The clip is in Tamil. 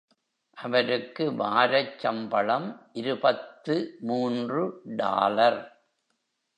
அவருக்கு வாரச் சம்பளம் இருபத்து மூன்று டாலர்.